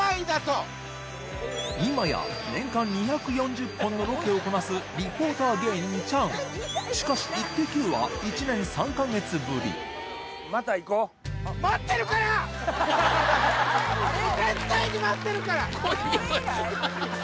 いまや年間２４０本のロケをこなすリポーター芸人チャンしかし『イッテＱ！』は１年３か月ぶり去年ね。